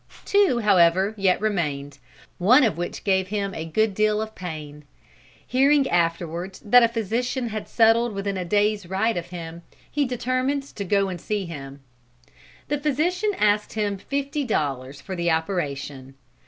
Two, however, yet remained, one of which gave him a good deal of pain. Hearing afterwards that a physician had settled within a day's ride of him, he determined to go and see him. The physician asked him fifty dollars for the operation.